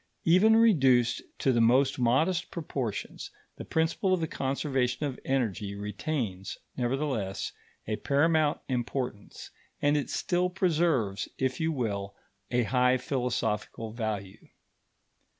Even reduced to the most modest proportions, the principle of the conservation of energy retains, nevertheless, a paramount importance; and it still preserves, if you will, a high philosophical value.